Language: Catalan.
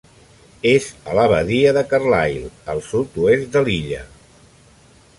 És a la badia de Carlisle al sud-oest de l'illa.